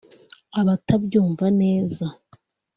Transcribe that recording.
Abatabyumva neza